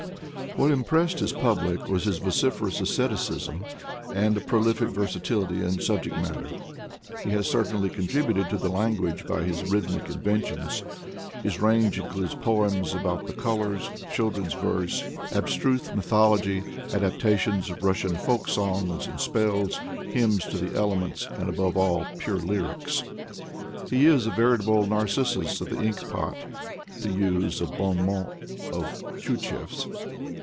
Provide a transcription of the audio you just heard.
What impressed his public was his vociferous a:stheticism and a prolific versatility in subject matter. He has certainly contributed to the language by his rhythmic inventions. His range includes poems about the colors, children's verse, abstruse mythology, adaptations of Russian folk songs and spells, hymns to the elements, and, above all, pure lyrics. He is a veritable Narcissus of the ink pot, to use a bon mot of Tyutchev's.